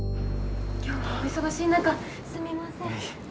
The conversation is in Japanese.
今日はお忙しい中すみません。